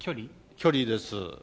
距離です。